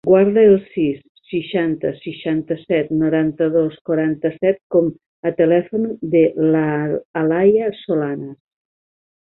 Guarda el sis, seixanta, seixanta-set, noranta-dos, quaranta-set com a telèfon de l'Alaia Solanas.